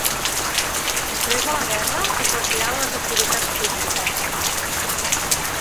Després de la guerra, es retirà de les activitats públiques.